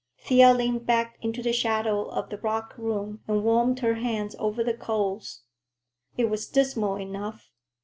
Thea leaned back into the shadow of the rock room and warmed her hands over the coals. "It was dismal enough.